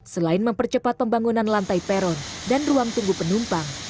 selain mempercepat pembangunan lantai peron dan ruang tunggu penumpang